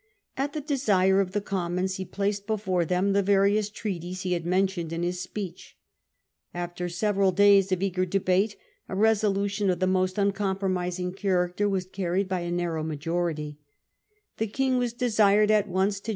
At the desire of the Commons he placed before them the various treaties he had mentioned in his speech. After several days of eager debate a resolution of the most uncom the mper ° promising character was carried by a narrow Parliament ma j 0 rity.